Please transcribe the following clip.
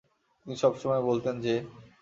তিনি সবসময় বলতেন যে: